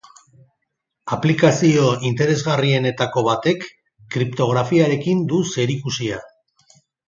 Aplikazio interesgarrienetako batek kriptografiarekin du zerikusia.